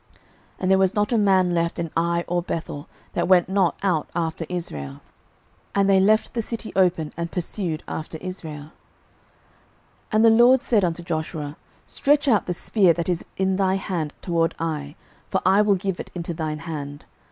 06:008:017 And there was not a man left in Ai or Bethel, that went not out after Israel: and they left the city open, and pursued after Israel. 06:008:018 And the LORD said unto Joshua, Stretch out the spear that is in thy hand toward Ai; for I will give it into thine hand.